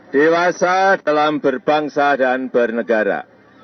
dewasa dalam berbangsa dan bernegara